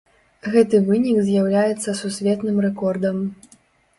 Гэты вынік з'яўляецца сусветным рэкордам.